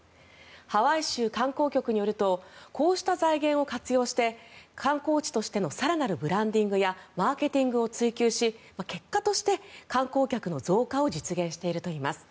ハワイ州観光局によるとこうした財源を活用して観光地としての更なるブランディングやマーケットを追求し結果として観光客の増加を実現しているといいます。